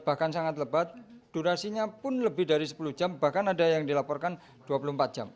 bahkan sangat lebat durasinya pun lebih dari sepuluh jam bahkan ada yang dilaporkan dua puluh empat jam